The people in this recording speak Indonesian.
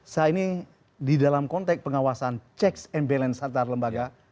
saya ini di dalam konteks pengawasan checks and balance antar lembaga